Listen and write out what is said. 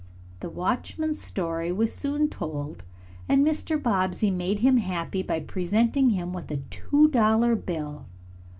The watchman's story was soon told, and Mr. Bobbsey made him happy by presenting him with a two dollar bill.